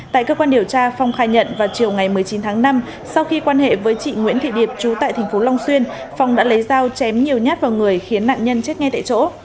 tại cơ quan điều tra phong khai nhận vào chiều ngày một mươi chín tháng năm sau khi quan hệ với chị nguyễn thị điệp chú tại thành phố long xuyên phong đã lấy dao chém nhiều nhát vào người khiến nạn nhân chết ngay tại chỗ